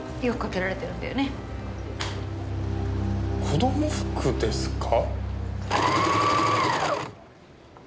子供服ですか？